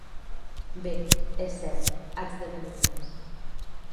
Bé, és cert; haig de tenir diners.